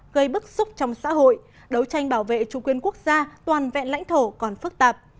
gây bức xúc trong xã hội đấu tranh bảo vệ chủ quyền quốc gia toàn vẹn lãnh thổ còn phức tạp